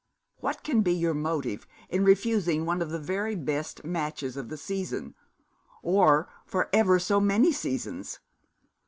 'What can be your motive in refusing one of the very best matches of the season or of ever so many seasons?